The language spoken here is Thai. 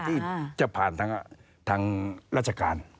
ที่จะผ่านทางราชการ